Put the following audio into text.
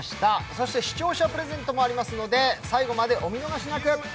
そして視聴者プレゼントもありますので最後までお見逃しなく。